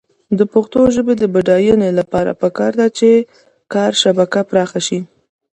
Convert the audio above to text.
د پښتو ژبې د بډاینې لپاره پکار ده چې کاري شبکه پراخه شي.